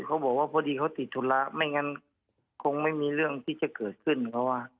พอดีเขาติดธุระไม่งั้นคงไม่มีเรื่องที่จะเกิดขึ้นเขาว่า